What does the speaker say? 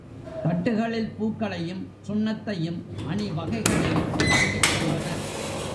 தட்டுகளில் பூக்களையும், சுண்ணத்தையும், அணி வகைகளையும் தாங்கிச் சென்றனர்.